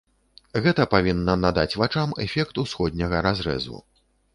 Гэта павінна надаць вачам эфект усходняга разрэзу.